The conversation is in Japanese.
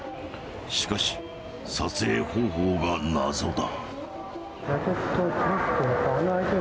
しかし撮影方法が謎だ。